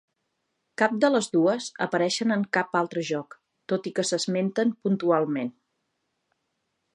Cap de les dues apareix en cap altre joc, tot i que s'esmenten puntualment.